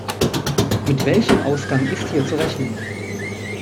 Mit welchem Ausgang ist hier zu rechnen?